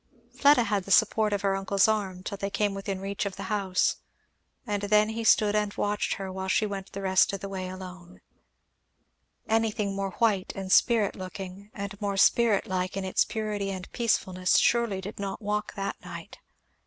Fleda had the support of her uncle's arm till they came within sight of the house, and then he stood and watched her while she went the rest of the way alone. [Illustration: Then he stood and watched her.] Anything more white and spirit looking, and more spirit like in its purity and peacefulness, surely did not walk that night.